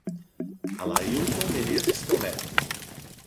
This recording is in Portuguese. Alailton Menezes Tome